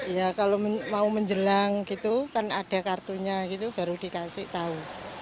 ya kalau mau menjelang gitu kan ada kartunya gitu baru dikasih tahu